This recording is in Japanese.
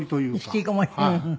引きこもりうん。